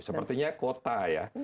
sepertinya kota ya